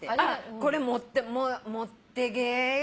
「これ持ってけよ」